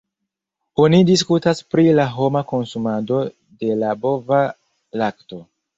Oni diskutas pri la homa konsumado de la bova lakto.